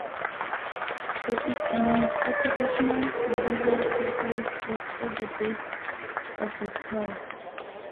There is an operational medieval faceless clock at the base of the tower.